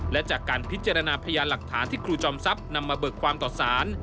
และจากการพิจารณาพยานหลักฐานที่ครูจอมทรัพย์นำมาเบิกความต่อสาร